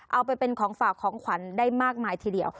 เอาไปเป็นของฝากของขวัญได้มากมายทีเดียว